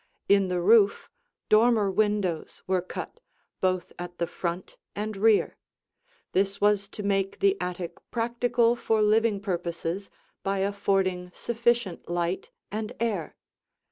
In the roof dormer windows were cut, both at the front and rear. This was to make the attic practical for living purposes by affording sufficient light and air.